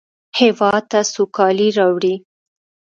هېواد ته سوکالي راوړئ